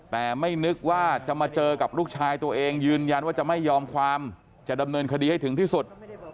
แต่ไม่นึกว่าจะมาเจอกับลูกชายตัวเองยืนยันว่าจะไม่ยอมความจะดำเนินคดีให้ถึงที่สุด